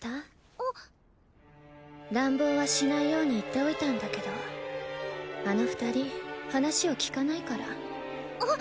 あっ乱暴はしないように言っておいたんだけどあの二人話を聞かないからあっ！